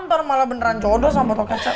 ntar malah beneran jodoh sama botol kecap